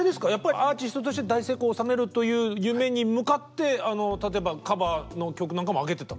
アーティストとして大成功を収めるという夢に向かって例えばカバーの曲なんかもあげてた？